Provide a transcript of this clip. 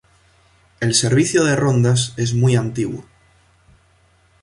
El servicio de rondas es muy antiguo.